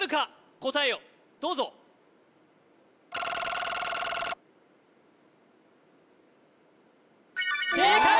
答えをどうぞ正解！